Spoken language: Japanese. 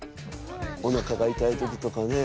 おなかが痛い時とかね。